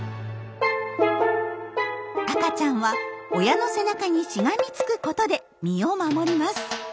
赤ちゃんは親の背中にしがみつくことで身を守ります。